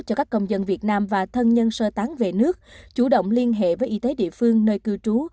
cho các công dân việt nam và thân nhân sơ tán về nước chủ động liên hệ với y tế địa phương nơi cư trú